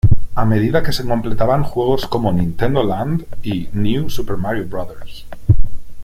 A medida que se completaban juegos como "Nintendo Land" y "New Super Mario Bros.